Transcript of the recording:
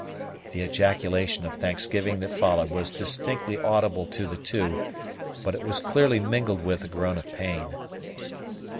The ejaculation of thanksgiving that followed was distinctly audible to the two, but it was clearly mingled with, a groan of pain.